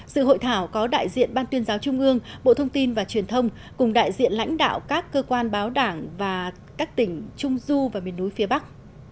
sự hội thảo có đại diện ban tuyên giáo trung ương bộ thông tin và truyền thông cùng đại diện lãnh đạo các cơ quan báo đảng và các tỉnh trung du và miền núi phía bắc